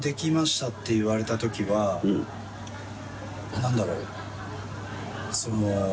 何だろう？